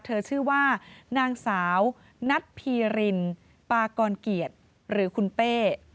ชื่อว่านางสาวนัทพีรินปากรเกียรติหรือคุณเป้